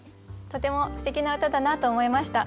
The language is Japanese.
とてもすてきな歌だなと思いました。